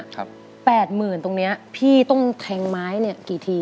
แปดหมื่นตรงเนี้ยพี่ต้องแทงไม้เนี่ยกี่ที